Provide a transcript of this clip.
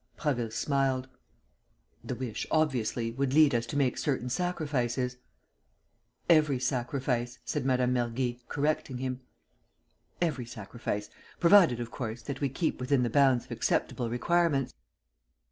Prasville smiled: "The wish, obviously, would lead us to make certain sacrifices." "Every sacrifice," said Mme. Mergy, correcting him. "Every sacrifice, provided, of course, that we keep within the bounds of acceptable requirements."